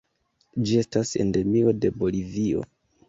Ĝi estas endemio de Bolivio.